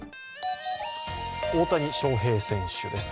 大谷翔平選手です